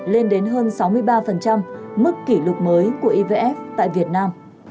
lên đến hơn sáu mươi ba mức kỷ lục mới của ivf tại việt nam